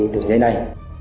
đường dây này